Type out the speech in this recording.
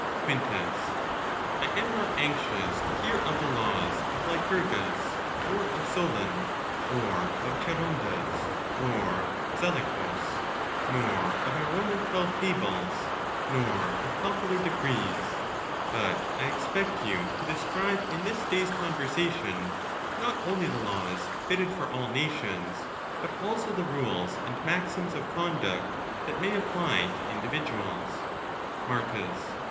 Quintus. —I am not anxious to hear of the laws of Lycurgus, or of Solon, or of Charondas, or Zaleucus, nor of our Roman Twelve Tables, nor of popular decrees; but I expect you to describe in this day's conversation, not only the laws fitted for all nations, but also the rules and maxims of conduct that may apply to individuals. Marcus.